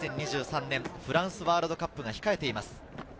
２０２３年フランスワールドカップが控えています。